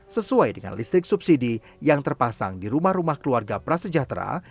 sesuai dengan listrik subsidi yang terpasang di rumah rumah keluarga prasejahtera